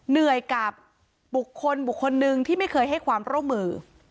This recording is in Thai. เหนื่อยกับบุคคลบุคคลหนึ่งที่ไม่เคยให้ความร่วมมือ